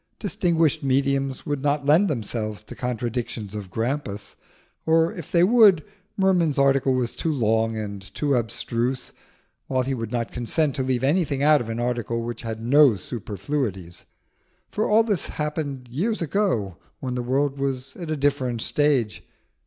Distinguished mediums would not lend themselves to contradictions of Grampus, or if they would, Merman's article was too long and too abstruse, while he would not consent to leave anything out of an article which had no superfluities; for all this happened years ago when the world was at a different stage.